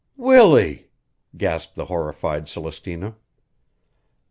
"Willie!" gasped the horrified Celestina.